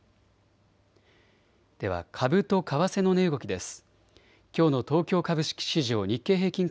では株と為替の値動きです。